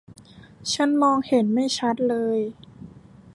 ฉันมองเห็นไม่ชัดเลย